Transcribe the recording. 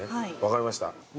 分かりました。